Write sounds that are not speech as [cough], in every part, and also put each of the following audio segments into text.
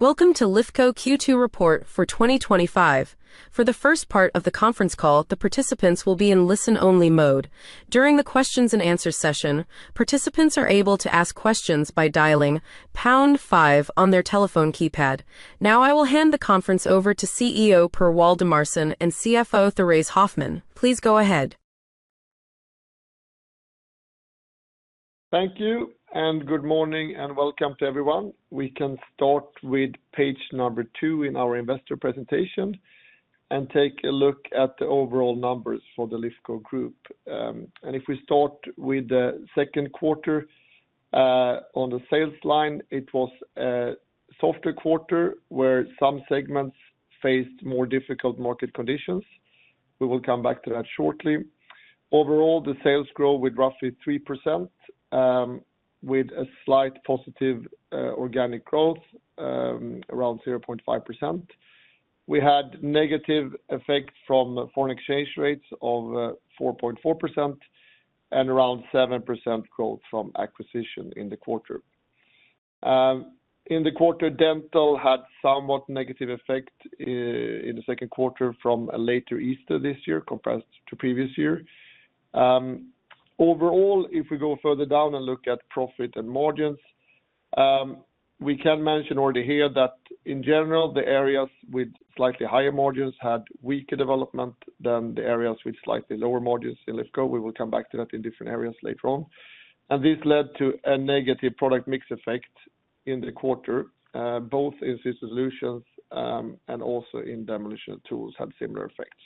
Welcome to Lifco Q2 Report for 2025. For the first part of the conference call, the participants will be in listen-only mode. During the Q&A session, participants are able to ask questions by dialing #5 on their telephone keypad. Now, I will hand the conference over to CEO Per Waldemarson and CFO Thérèse Hoffmann. Please go ahead. Thank you, and good morning and welcome to everyone. We can start with page number two in our investor presentation and take a look at the overall numbers for the Lifco Group. If we start with the second quarter. On the sales line, it was a softer quarter where some segments faced more difficult market conditions. We will come back to that shortly. Overall, the sales grew with roughly 3%, with a slight positive organic growth, around 0.5%. We had negative effects from foreign exchange rates of 4.4%, and around 7% growth from acquisition in the quarter. In the quarter, Dental had somewhat negative effect in the second quarter from a later Easter this year compared to the previous year. Overall, if we go further down and look at profit and margins. We can mention already here that, in general, the areas with slightly higher margins had weaker development than the areas with slightly lower margins in Lifco. We will come back to that in different areas later on. This led to a negative product mix effect in the quarter, both in system solutions and also in demolition tools had similar effects.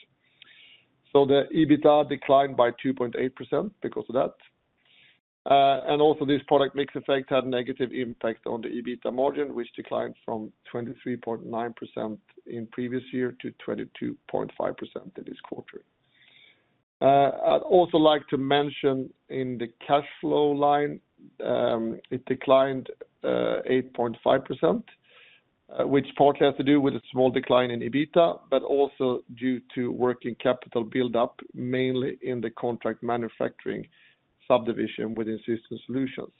The EBITDA declined by 2.8% because of that. This product mix effect had a negative impact on the EBITDA margin, which declined from 23.9% in the previous year to 22.5% in this quarter. I'd also like to mention in the cash flow line, it declined 8.5%, which partly has to do with a small decline in EBITDA, but also due to working capital buildup, mainly in the contract manufacturing subdivision within system solutions.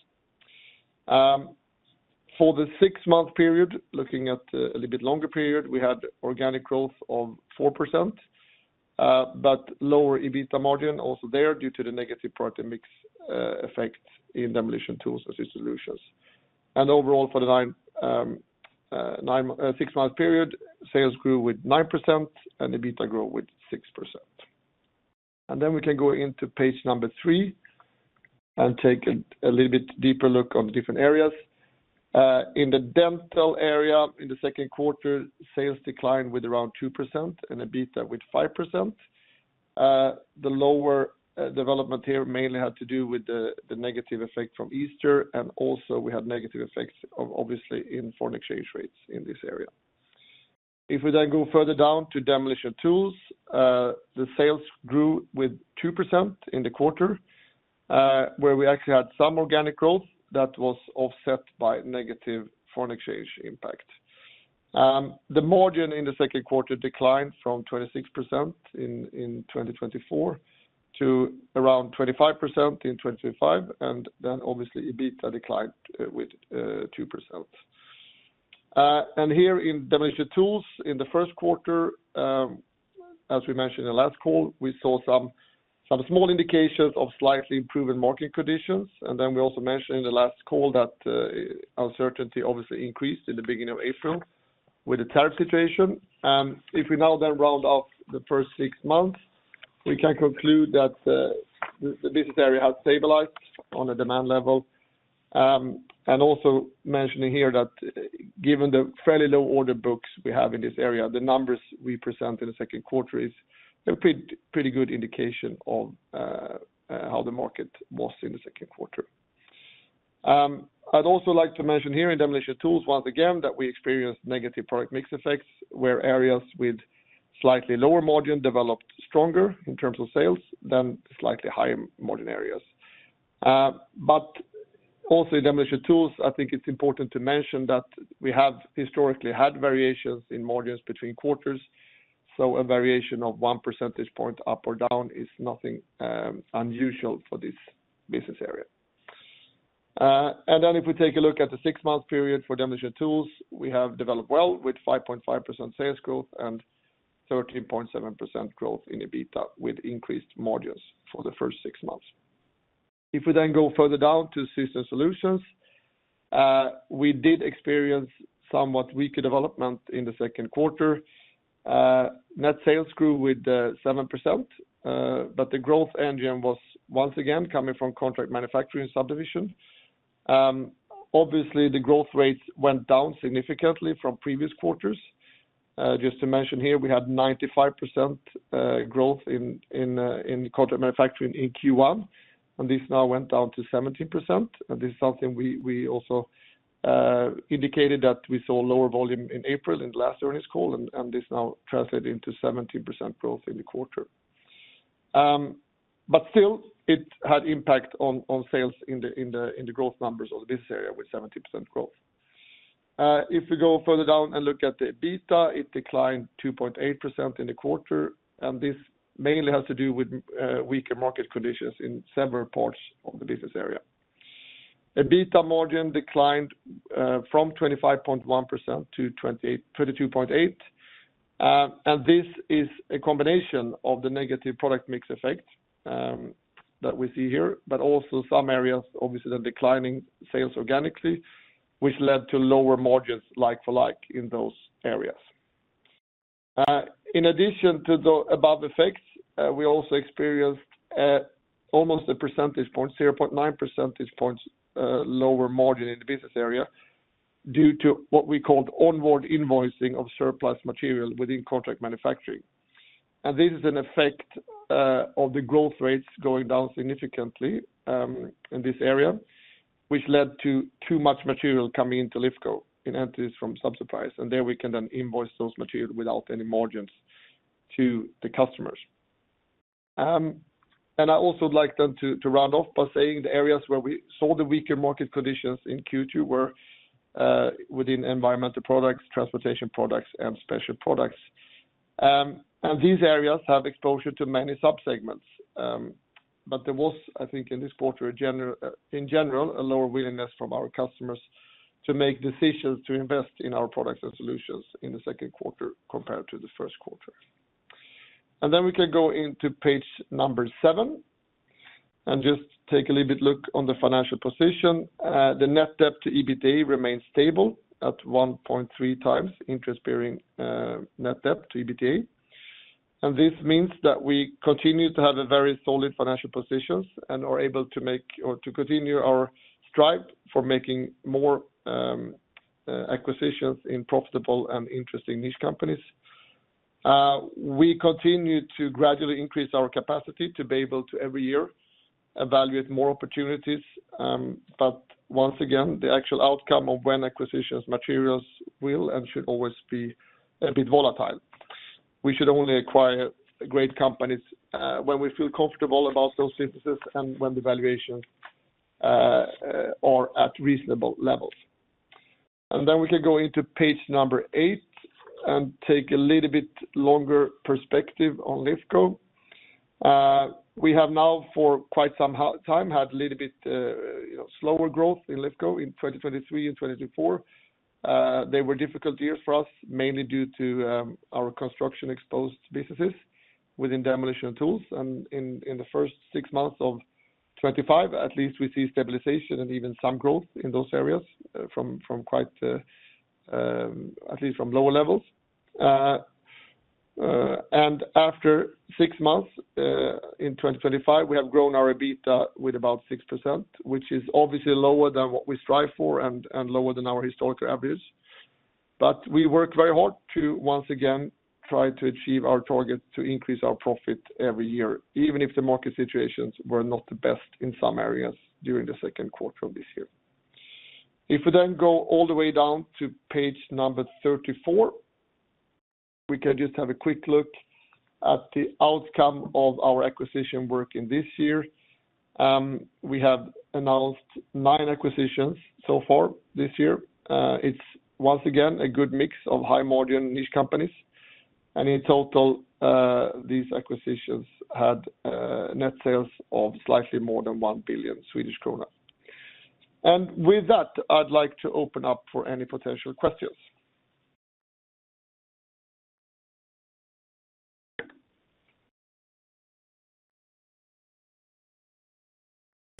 For the six-month period, looking at a little bit longer period, we had organic growth of 4%. Lower EBITDA margin also there due to the negative product mix effect in demolition tools and system solutions. Overall, for the six-month period, sales grew with 9% and EBITDA grew with 6%. We can go into page number three and take a little bit deeper look on different areas. In the dental area, in the second quarter, sales declined with around 2% and EBITDA with 5%. The lower development here mainly had to do with the negative effect from Easter, and also we had negative effects, obviously, in foreign exchange rates in this area. If we then go further down to demolition tools, the sales grew with 2% in the quarter, where we actually had some organic growth that was offset by negative foreign exchange impact. The margin in the second quarter declined from 26% in 2024 to around 25% in 2025, and then obviously EBITDA declined with 2%. Here in demolition tools, in the first quarter, as we mentioned in the last call, we saw some small indications of slightly improved market conditions. We also mentioned in the last call that uncertainty obviously increased in the beginning of April with the tariff situation. If we now then round off the first six months, we can conclude that the business area has stabilized on a demand level. Also mentioning here that given the fairly low order books we have in this area, the numbers we present in the second quarter is a pretty good indication of how the market was in the second quarter. I'd also like to mention here in demolition tools once again that we experienced negative product mix effects where areas with slightly lower margin developed stronger in terms of sales than slightly higher margin areas. Also in demolition tools, I think it's important to mention that we have historically had variations in margins between quarters. So a variation of one percentage point up or down is nothing unusual for this business area. If we take a look at the six-month period for demolition tools, we have developed well with 5.5% sales growth and 13.7% growth in EBITDA with increased margins for the first six months. If we then go further down to system solutions, we did experience somewhat weaker development in the second quarter. Net sales grew with 7%. The growth engine was once again coming from contract manufacturing subdivision. Obviously, the growth rates went down significantly from previous quarters. Just to mention here, we had 95% growth in contract manufacturing in Q1, and this now went down to 17%. This is something we also indicated, that we saw lower volume in April in the last earnings call, and this now translated into 17% growth in the quarter. Still, it had impact on sales in the growth numbers of the business area with 17% growth. If we go further down and look at the EBITDA, it declined 2.8% in the quarter, and this mainly has to do with weaker market conditions in several parts of the business area. EBITDA margin declined from 25.1% to 22.8%. This is a combination of the negative product mix effect that we see here, but also some areas obviously that are declining sales organically, which led to lower margins like-for-like in those areas. In addition to the above effects, we also experienced almost a percentage point, 0.9 percentage points lower margin in the business area due to what we called onboard invoicing of surplus material within contract manufacturing. This is an effect of the growth rates going down significantly in this area, which led to too much material coming into Lifco in entities from subsurprise. There we can then invoice those materials without any margins to the customers. I also would like then to round off by saying the areas where we saw the weaker market conditions in Q2 were within environmental products, transportation products, and special products. These areas have exposure to many subsegments. There was, I think, in this quarter, in general, a lower willingness from our customers to make decisions to invest in our products and solutions in the second quarter compared to the first quarter. We can go into page number seven and just take a little bit look on the financial position. The net debt-to-EBITDA remains stable at 1.3 times interest-bearing net debt-to-EBITDA. This means that we continue to have a very solid financial position and are able to make or to continue our stride for making more acquisitions in profitable and interesting niche companies. We continue to gradually increase our capacity to be able to every year evaluate more opportunities. Once again, the actual outcome of when acquisitions materialize will and should always be a bit volatile. We should only acquire great companies when we feel comfortable about those businesses and when the valuations are at reasonable levels. We can go into page number eight and take a little bit longer perspective on Lifco. We have now for quite some time had a little bit slower growth in Lifco in 2023 and 2024. They were difficult years for us, mainly due to our construction exposed businesses within demolition tools. In the first six months of 2025, at least, we see stabilization and even some growth in those areas from quite, at least from lower levels. After six months in 2025, we have grown our EBITDA with about 6%, which is obviously lower than what we strive for and lower than our historical average. We work very hard to once again try to achieve our target to increase our profit every year, even if the market situations were not the best in some areas during the second quarter of this year. If we then go all the way down to page number 34. We can just have a quick look at the outcome of our acquisition work in this year. We have announced nine acquisitions so far this year. It's once again a good mix of high-margin niche companies. In total, these acquisitions had net sales of slightly more than 1 billion Swedish krona. With that, I'd like to open up for any potential questions.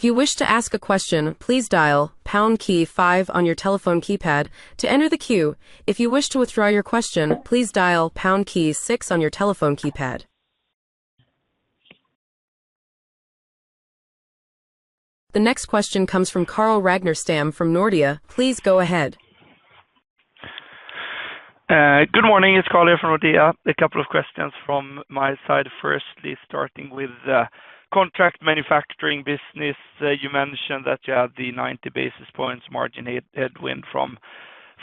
If you wish to ask a question, please dial #5 on your telephone keypad to enter the queue. If you wish to withdraw your question, please dial #6 on your telephone keypad. The next question comes Karl Ragnarstam from Nordea. Please go ahead. Good morning. It's Karl here from Nordea. A couple of questions from my side firstly, starting with the contract manufacturing business. You mentioned that you had the 90 basis points margin headwind from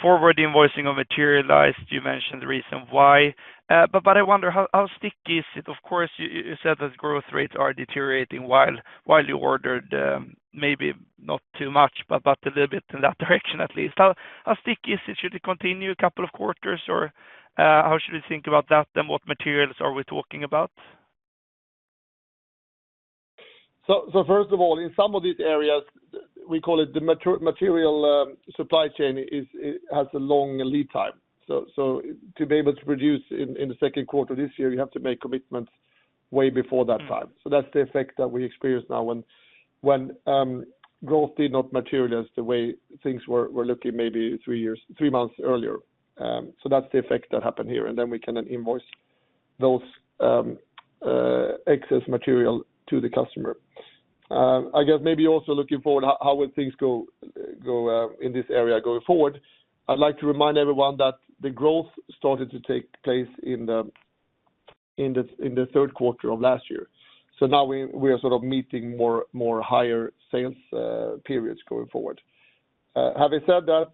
forward invoicing of materialized. You mentioned the reason why. I wonder, how sticky is it? Of course, you said that growth rates are deteriorating while you ordered, maybe not too much, but a little bit in that direction at least. How sticky is it? Should it continue a couple of quarters, or how should we think about that? What materials are we talking about? First of all, in some of these areas, we call it the material supply chain has a long lead time. To be able to produce in the second quarter of this year, you have to make commitments way before that time. That is the effect that we experience now when growth did not materialize the way things were looking maybe three months earlier. That is the effect that happened here. We can then invoice those excess materials to the customer. I guess maybe also looking forward, how will things go in this area going forward? I'd like to remind everyone that the growth started to take place in the third quarter of last year. Now we are sort of meeting more higher sales periods going forward. Having said that,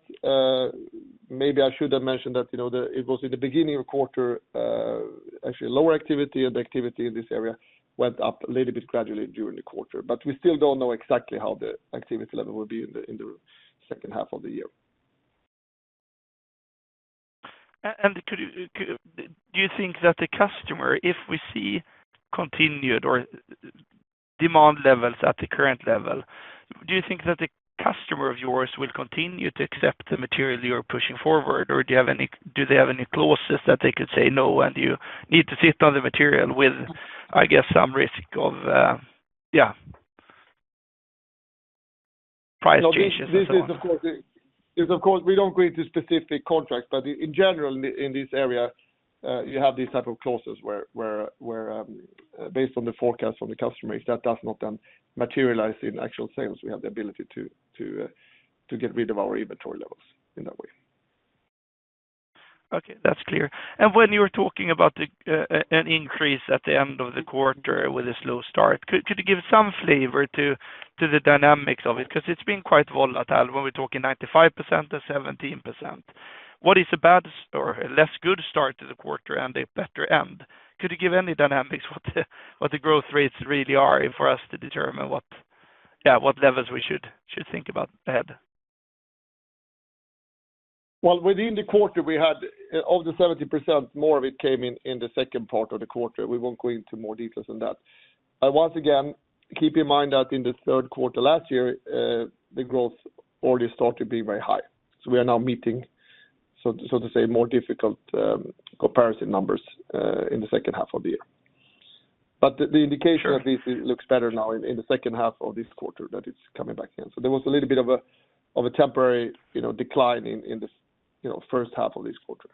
maybe I should have mentioned that it was in the beginning of quarter. Actually lower activity and activity in this area went up a little bit gradually during the quarter. We still don't know exactly how the activity level will be in the second half of the year. Do you think that the customer, if we see continued or demand levels at the current level, do you think that the customer of yours will continue to accept the material you're pushing forward? Or do they have any clauses that they could say no, and you need to sit on the material with, I guess, some risk of, yeah, price changes and so on? This is, of course, we don't go into specific contracts, but in general, in this area, you have these type of clauses where, based on the forecast from the customer, if that does not then materialize in actual sales, we have the ability to get rid of our inventory levels in that way. Okay, that's clear. When you were talking about an increase at the end of the quarter with a slow start, could you give some flavor to the dynamics of it? Because it's been quite volatile when we're talking 95% to 17%. What is a bad or a less good start to the quarter and a better end? Could you give any dynamics what the growth rates really are for us to determine what levels we should think about ahead? Within the quarter, we had over 70% more of it came in the second part of the quarter. We will not go into more details than that. Once again, keep in mind that in the third quarter last year, the growth already started being very high. We are now meeting, so to say, more difficult comparison numbers in the second half of the year. The indication at least looks better now in the second half of this quarter that it is coming back again. There was a little bit of a temporary decline in the first half of this quarter.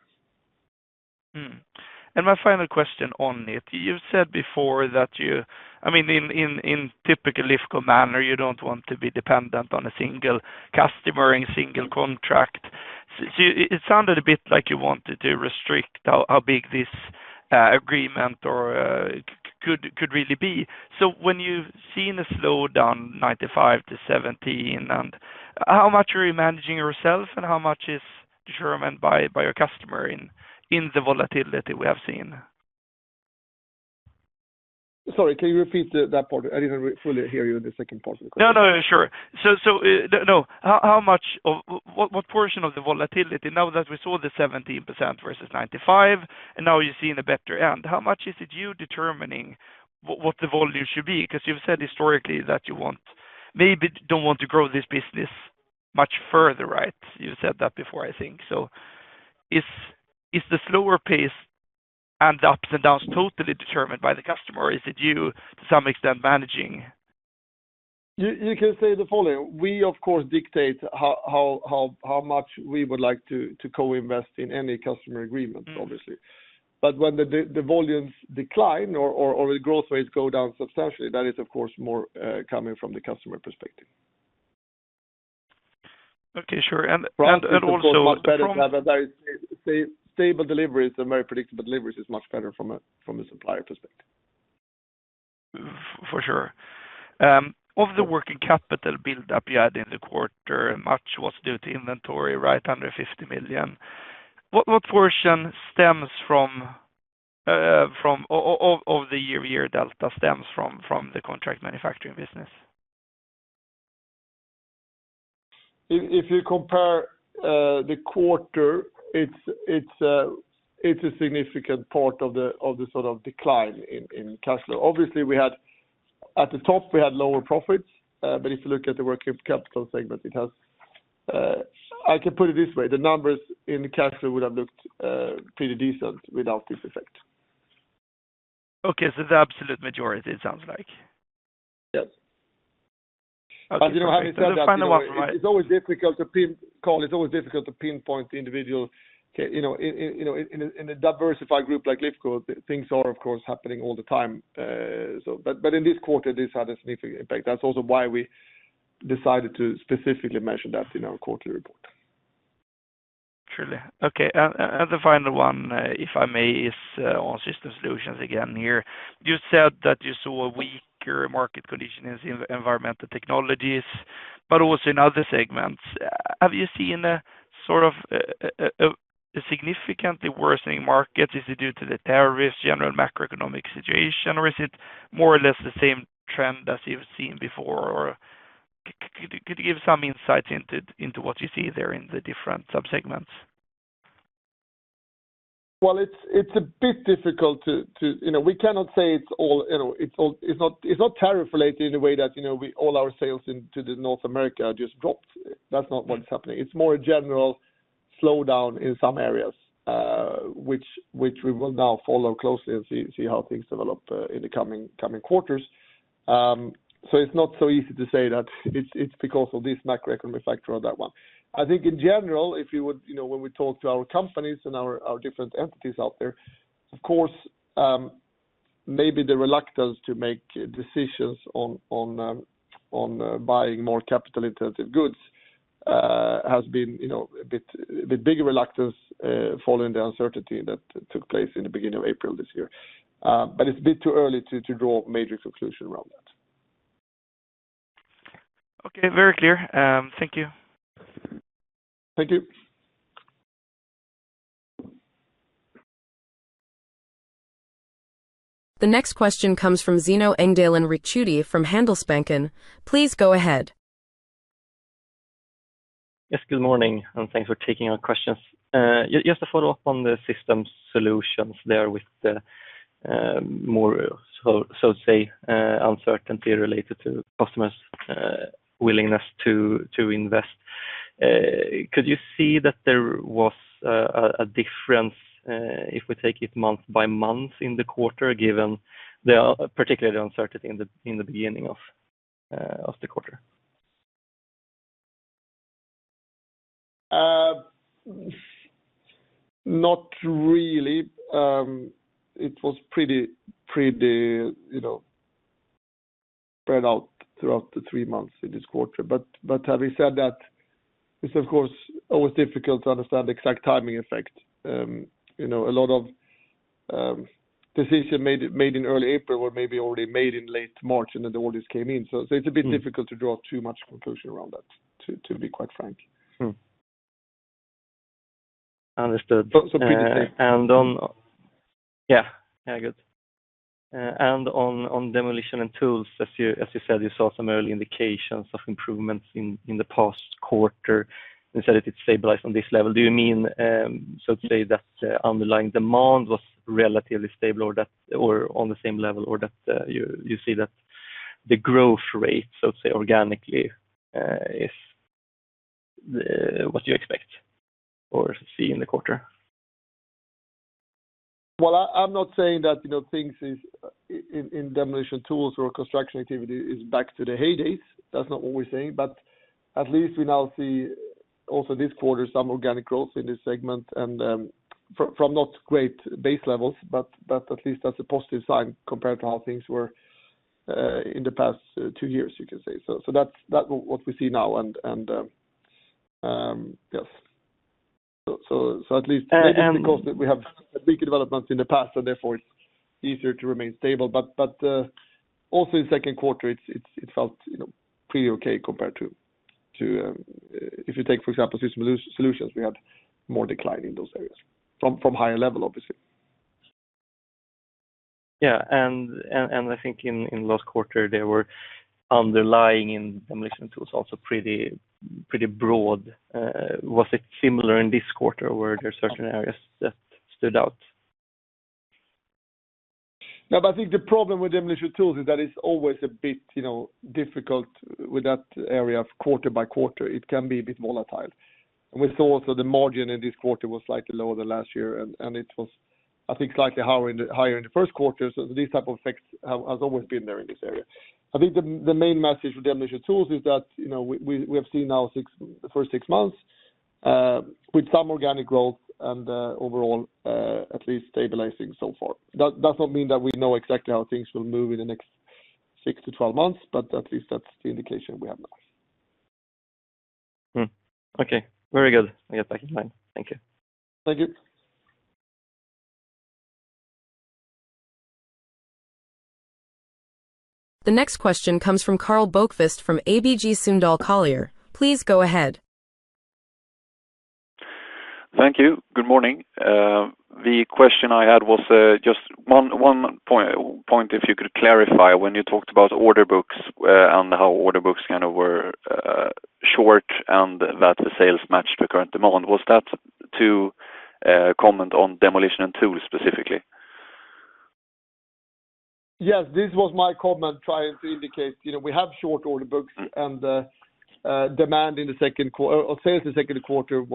My final question on it. You've said before that you, I mean, in typical Lifco manner, you don't want to be dependent on a single customer and single contract. It sounded a bit like you wanted to restrict how big this agreement could really be. When you've seen a slowdown, 95 to 17, how much are you managing yourself and how much is determined by your customer in the volatility we have seen? Sorry, can you repeat that part? I didn't fully hear you in the second part of the question. No, no, sure. No, how much, what portion of the volatility now that we saw, the 17% versus 95, and now you're seeing a better end, how much is it you determining what the volume should be? Because you've said historically that you don't want to grow this business much further, right? You've said that before, I think. Is the slower pace and the ups and downs totally determined by the customer? Or is it you to some extent managing? You can say the following. We, of course, dictate how much we would like to co-invest in any customer agreement, obviously. When the volumes decline or the growth rates go down substantially, that is, of course, more coming from the customer perspective. Okay, sure. [crosstalk] Much better to have a very stable delivery and very predictable deliveries is much better from a supplier perspective. For sure. Of the working capital build-up you had in the quarter, much was due to inventory, right? Under 50 million. What portion stems from—of the year-over-year delta stems from the contract manufacturing business? If you compare the quarter, it's a significant part of the sort of decline in cash flow. Obviously, at the top, we had lower profits. If you look at the working capital segment, it has. I can put it this way. The numbers in cash flow would have looked pretty decent without this effect. Okay, so the absolute majority, it sounds like. Yes. [crosstalk] It's always difficult to pinpoint, tt's always difficult to pinpoint the individual. In a diversified group like Lifco, things are, of course, happening all the time. In this quarter, this had a significant impact. That's also why we decided to specifically mention that in our quarterly report. Surely. Okay. The final one, if I may, is on system solutions again here. You said that you saw weaker market conditions in environmental technologies, but also in other segments. Have you seen sort of a significantly worsening market? Is it due to the tariffs, general macroeconomic situation, or is it more or less the same trend as you've seen before? Could you give some insights into what you see there in the different subsegments? It is a bit difficult to—we cannot say it is all—it is not tariff-related in a way that all our sales into North America just dropped. That is not what is happening. It is more a general slowdown in some areas, which we will now follow closely and see how things develop in the coming quarters. It is not so easy to say that it is because of this macroeconomic factor or that one. I think in general, if you would, when we talk to our companies and our different entities out there, of course. Maybe the reluctance to make decisions on buying more capital-intensive goods has been a bit bigger reluctance following the uncertainty that took place in the beginning of April this year. It is a bit too early to draw major conclusions around that. Okay, very clear. Thank you. Thank you. The next question comes from Zino Engdalen Ricciuti from Handelsbanken. Please go ahead. Yes, good morning. Thanks for taking our questions. Just a follow-up on the system solutions there with, more, so to say, uncertainty related to customers' willingness to invest. Could you see that there was a difference if we take it month by month in the quarter, given particularly the uncertainty in the beginning of the quarter? Not really. It was pretty spread out throughout the three months in this quarter. Having said that, it's, of course, always difficult to understand the exact timing effect. A lot of decisions made in early April were maybe already made in late March, and then the orders came in. It's a bit difficult to draw too much conclusion around that, to be quite frank. Understood. [crosstalk] Yeah, yeah, good. On demolition tools, as you said, you saw some early indications of improvements in the past quarter. You said it stabilized on this level. Do you mean, so to say, that underlying demand was relatively stable or on the same level, or that you see that the growth rate, so to say, organically, is what you expect or see in the quarter? I'm not saying that things in demolition tools or construction activity is back to the heydays. That's not what we're saying. At least we now see also this quarter some organic growth in this segment and from not great base levels, but at least that's a positive sign compared to how things were in the past two years, you can say. That's what we see now. Yes, at least because we have big developments in the past, and therefore it's easier to remain stable. Also in the second quarter, it felt pretty okay compared to, if you take, for example, system solutions, we had more decline in those areas from higher level, obviously. Yeah. I think in the last quarter, there were underlying in demolition tools also pretty broad. Was it similar in this quarter where there are certain areas that stood out? No, but I think the problem with demolition tools is that it's always a bit difficult with that area quarter by quarter. It can be a bit volatile. We saw also the margin in this quarter was slightly lower than last year. It was, I think, slightly higher in the first quarter. These types of effects have always been there in this area. I think the main message with demolition tools is that we have seen now for six months, with some organic growth and overall at least stabilizing so far. That does not mean that we know exactly how things will move in the next 6 to 12 months, but at least that's the indication we have now. Okay. Very good. I guess I can sign. Thank you. Thank you. The next question comes from Karl Bokvist from ABG Sundal Collier. Please go ahead. Thank you. Good morning. The question I had was just one point, if you could clarify, when you talked about order books and how order books kind of were short and that the sales matched the current demand. Was that to comment on demolition tools specifically? Yes, this was my comment, trying to indicate we have short order books, and demand in the second or sales in the second quarter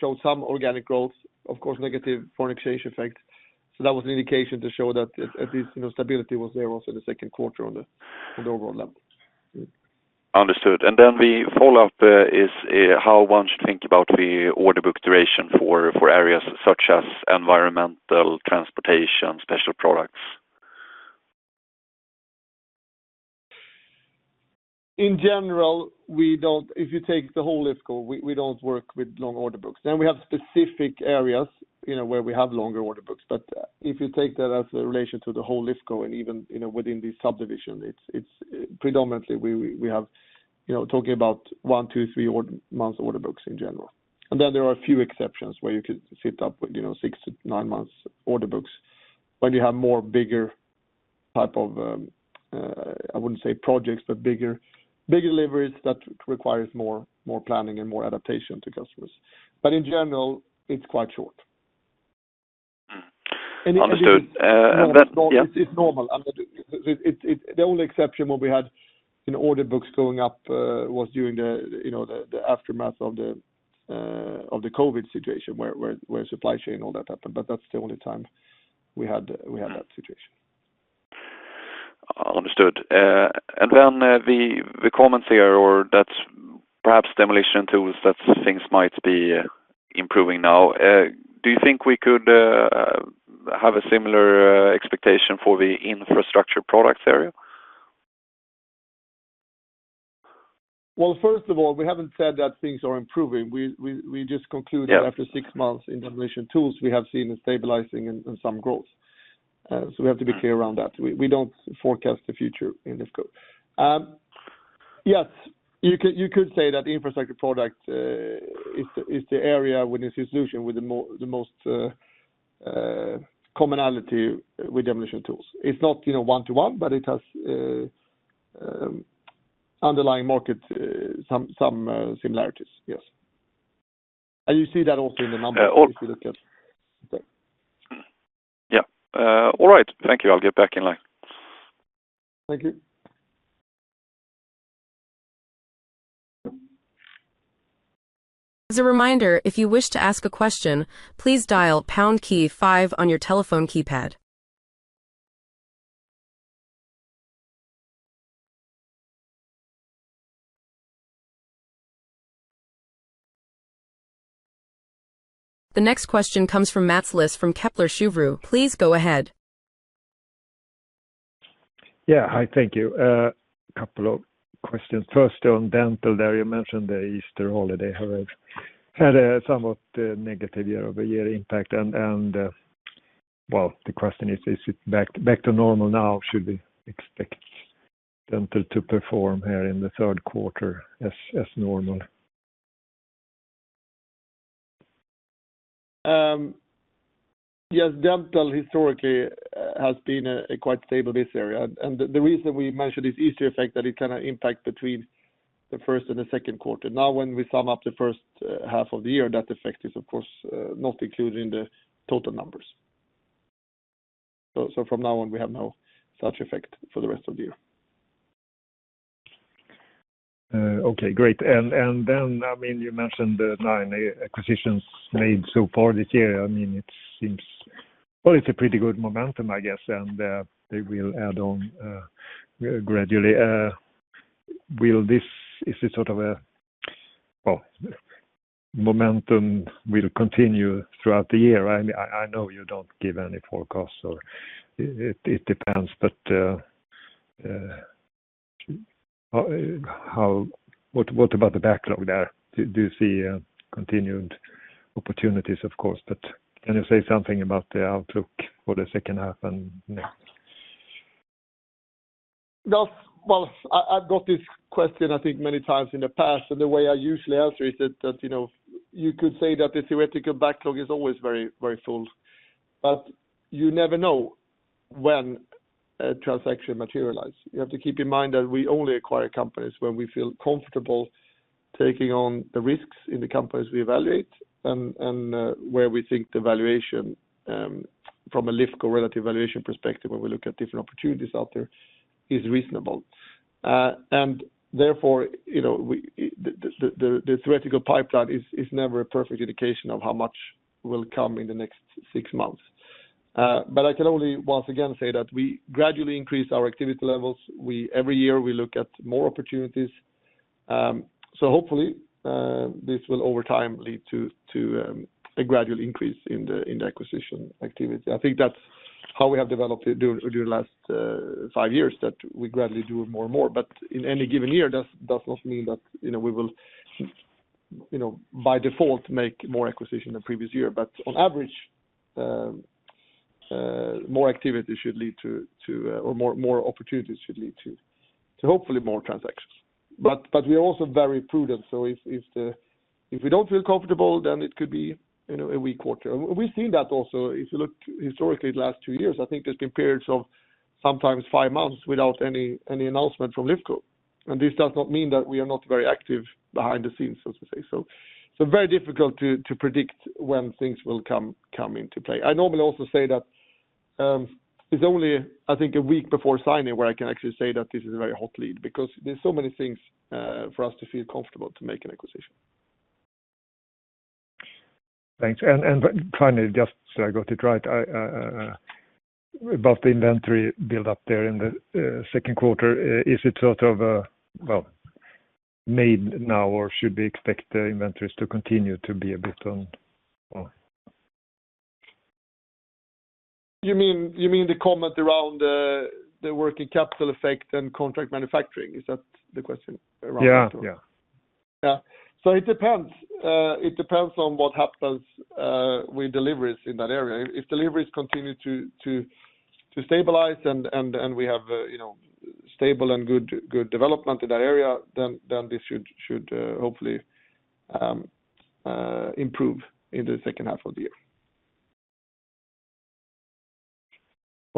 showed some organic growth, of course, negative foreign exchange effect. That was an indication to show that at least stability was there also in the second quarter on the overall level. Understood. The follow-up is how one should think about the order book duration for areas such as environmental, transportation, special products. In general, if you take the whole Lifco, we don't work with long order books. There are specific areas where we have longer order books. If you take that as a relation to the whole Lifco and even within the subdivision, predominantly we are talking about one, two, three months order books in general. There are a few exceptions where you could sit up with six to nine months order books when you have more bigger type of, I wouldn't say projects, but bigger deliveries that require more planning and more adaptation to customers. In general, it's quite short. Understood. It's normal. The only exception when we had order books going up was during the aftermath of the COVID situation where supply chain and all that happened. That's the only time we had that situation. Understood. We comment here, or that's perhaps demolition tools, that things might be improving now. Do you think we could have a similar expectation for the infrastructure products area? First of all, we haven't said that things are improving. We just concluded after six months in demolition tools we have seen a stabilizing and some growth. We have to be clear around that. We don't forecast the future in Lifco. Yes, you could say that infrastructure product is the area within the solution with the most commonality with demolition tools. It's not one-to-one, but it has underlying market, some similarities, yes. You see that also in the numbers if you look at. Yeah. All right. Thank you. I'll get back in line. Thank you. As a reminder, if you wish to ask a question, please dial pound key five on your telephone keypad. The next question comes from Mats Liss from Kepler Cheuvreux. Please go ahead. Yeah, hi, thank you. A couple of questions. First, on dental there, you mentioned the Easter holiday had a somewhat negative year-over-year impact. The question is, is it back to normal now? Should we expect dental to perform here in the third quarter as normal? Yes, dental historically has been quite stable this area. The reason we mentioned is the Easter effect that it kind of impacts between the first and the second quarter. Now, when we sum up the first half of the year, that effect is, of course, not included in the total numbers. From now on, we have no such effect for the rest of the year. Okay, great. I mean, you mentioned the nine acquisitions made so far this year. I mean, it seems, well, it's a pretty good momentum, I guess, and they will add on gradually. Is it sort of a momentum will continue throughout the year? I know you don't give any forecasts or it depends, but what about the backlog there? Do you see continued opportunities, of course, but can you say something about the outlook for the second half and next? I have got this question, I think, many times in the past, and the way I usually answer is that you could say that the theoretical backlog is always very full. You never know when a transaction materializes. You have to keep in mind that we only acquire companies when we feel comfortable taking on the risks in the companies we evaluate and where we think the valuation, from a Lifco relative valuation perspective, when we look at different opportunities out there, is reasonable. Therefore, the theoretical pipeline is never a perfect indication of how much will come in the next six months. I can only once again say that we gradually increase our activity levels. Every year, we look at more opportunities. Hopefully, this will over time lead to a gradual increase in the acquisition activity. I think that's how we have developed during the last five years, that we gradually do more and more. In any given year, that does not mean that we will by default make more acquisitions than the previous year. On average, more activity should lead to, or more opportunities should lead to hopefully more transactions. We are also very prudent. If we do not feel comfortable, then it could be a weak quarter. We have seen that also. If you look historically in the last two years, I think there have been periods of sometimes five months without any announcement from Lifco. This does not mean that we are not very active behind the scenes, so to say. It is very difficult to predict when things will come into play. I normally also say that. It's only, I think, a week before signing where I can actually say that this is a very hot lead because there's so many things for us to feel comfortable to make an acquisition. Thanks. Finally, just so I got it right. About the inventory build-up there in the second quarter, is it sort of made now or should we expect the inventories to continue to be a bit on? You mean the comment around the working capital effect and contract manufacturing? Is that the question around that? Yeah. Yeah. It depends. It depends on what happens with deliveries in that area. If deliveries continue to stabilize and we have stable and good development in that area, then this should hopefully improve in the second half of the year.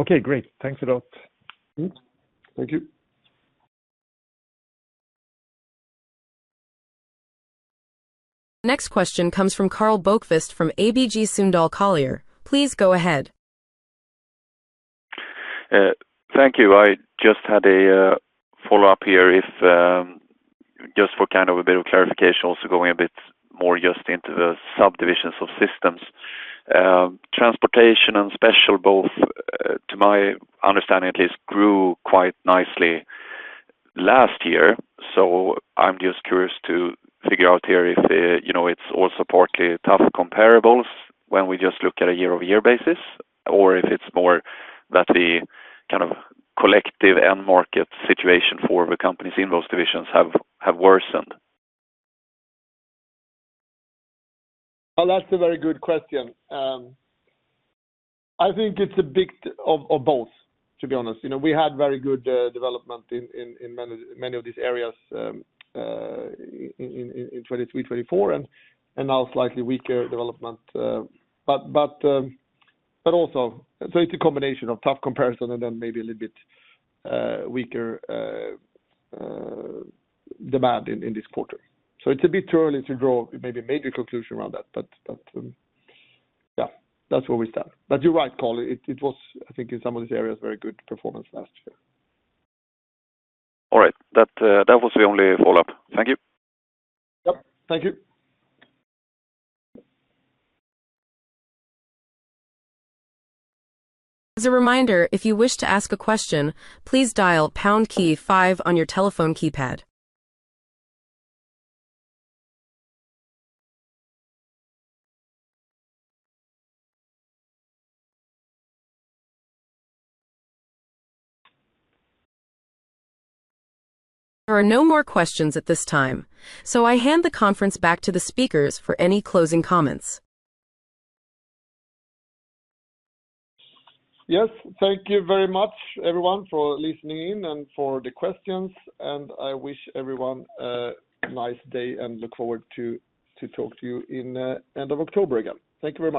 Okay, great. Thanks a lot. Thank you. The next question comes from Karl Bokvist from ABG Sundal Collier. Please go ahead. Thank you. I just had a follow-up here if. Just for kind of a bit of clarification, also going a bit more just into the subdivisions of systems. Transportation and special, both to my understanding at least, grew quite nicely last year. I am just curious to figure out here if it is also partly tough comparables when we just look at a year-over-year basis, or if it is more that the kind of collective end market situation for the companies in those divisions have worsened? That is a very good question. I think it is a bit of both, to be honest. We had very good development in many of these areas. In 2023, 2024, and now slightly weaker development. It is also a combination of tough comparison and then maybe a little bit weaker demand in this quarter. It is a bit too early to draw maybe a major conclusion around that. Yes, that is where we stand. You are right, Karl. It was, I think, in some of these areas, very good performance last year. All right. That was the only follow-up. Thank you. Yep. Thank you. As a reminder, if you wish to ask a question, please dial #5 on your telephone keypad. There are no more questions at this time, so I hand the conference back to the speakers for any closing comments. Yes, thank you very much, everyone, for listening in and for the questions. I wish everyone a nice day and look forward to talking to you in the end of October again. Thank you very much.